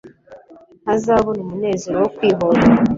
ntazabona umunezero wo kwihorera